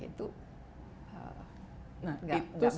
itu nggak mudah